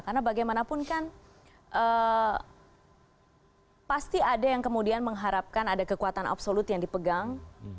karena bagaimanapun kan pasti ada yang kemudian mengharapkan ada kekuatan absolut yang dipegang